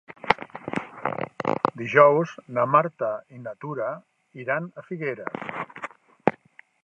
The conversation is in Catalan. Dijous na Marta i na Tura iran a Figueres.